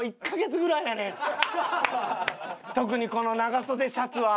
特にこの長袖シャツは。